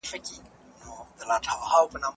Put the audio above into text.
که ملي ګټې وپالو نو پردی نه حاکمیږي.